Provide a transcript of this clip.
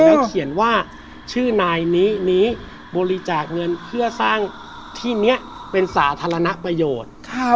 แล้วเขียนว่าชื่อนายนี้นี้บริจาคเงินเพื่อสร้างที่นี้เป็นสาธารณประโยชน์